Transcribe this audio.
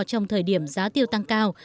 trong thời điểm giá tiêu tăng cao